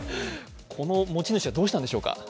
この持ち主はどうしたんでしょうか。